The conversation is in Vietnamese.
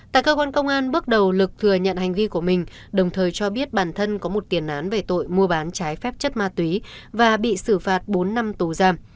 tại cơ quan công an bước đầu lực thừa nhận hành vi của mình đồng thời cho biết bản thân có một tiền án về tội mua bán trái phép chất ma túy và bị xử phạt bốn năm tù giam